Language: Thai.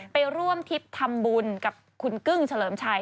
ไปร่วมทริปทำบุญกับคุณกึ้งเฉลิมชัย